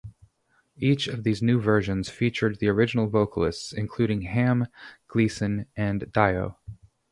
Each of these new versions features the original vocalists, including Ham, Gleason and Dio.